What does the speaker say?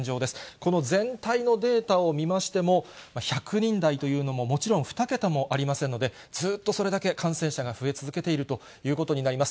この全体のデータを見ましても、１００人台というのも、もちろん２桁もありませんので、ずっとそれだけ感染者が増え続けているということになります。